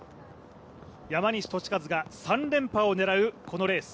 山西利和が３連覇を狙うこのレース。